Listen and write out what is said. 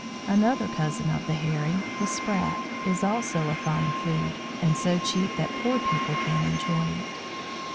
Another cousin of the Herring, the Sprat, is also a fine food, and so cheap that poor people can enjoy it.